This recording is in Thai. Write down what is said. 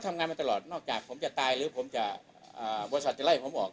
ทำงานมาตลอดนอกจากผมจะตายหรือผมจะบริษัทจะไล่ผมออก